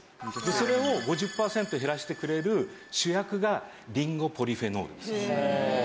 それを５０パーセント減らしてくれる主役がリンゴポリフェノールです。